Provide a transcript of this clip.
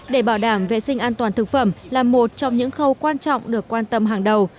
để bảo đảm vệ sinh an toàn thực phẩm là một trong những khâu quan trọng được quan tâm hàng đầu